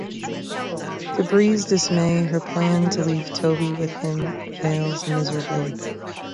To Bree's dismay, her plan to leave Toby with him fails miserably.